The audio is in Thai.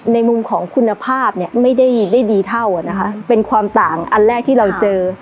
ในมุมของคุณภาพเนี่ยไม่ได้ดีเท่านะคะเป็นความต่างอันแรกที่เราเจอ